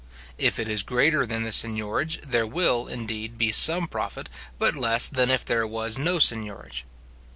If it is greater than the seignorage, there will, indeed, be some profit, but less than if there was no seignorage.